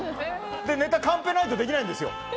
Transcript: ネタ、カンペがないとできないんです。